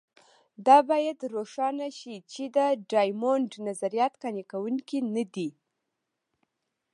دا باید روښانه شي چې د ډایمونډ نظریات قانع کوونکي نه دي.